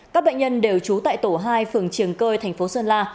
các bệnh nhân đều trú tại tổ hai phường triềng cơi thành phố sơn la